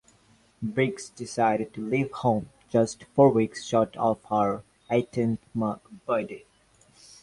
Briggs decided to leave home, just four weeks short of her eighteenth birthday.